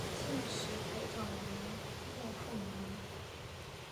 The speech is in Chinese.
现时台长为莫凤仪。